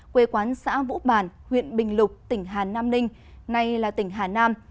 quê quán xã vũ bản huyện bình lục tỉnh hà nam ninh nay là tỉnh hà nam